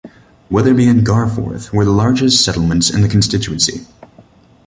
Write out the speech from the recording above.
Wetherby and Garforth were the largest settlements in the constituency.